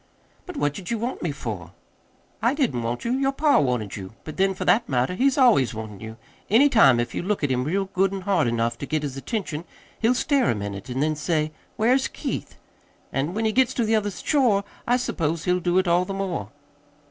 "But what did you want me for?" "I didn't want you. Your pa wanted you. But, then, for that matter, he's always wantin' you. Any time, if you look at him real good an' hard enough to get his attention, he'll stare a minute, an' then say: 'Where's Keith?' An' when he gets to the other shore, I suppose he'll do it all the more."